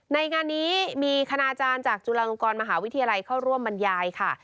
ในงานนี้มีคณาจารย์จากจุฬาลงกรมหาวิทยาลัยเข้าร่วมบรรยายค่ะ